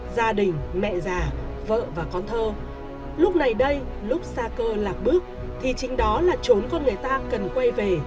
gia đình mẹ già vợ và con thơ lúc này đây lúc xa cơ lạc bước thì chính đó là trốn con người ta cần quay về